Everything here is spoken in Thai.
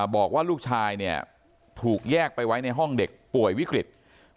บอกว่าลูกชายเนี่ยถูกแยกไปไว้ในห้องเด็กป่วยวิกฤต